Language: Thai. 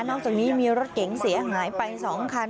อกจากนี้มีรถเก๋งเสียหายไป๒คัน